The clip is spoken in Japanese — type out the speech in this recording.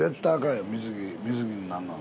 水着になんのは。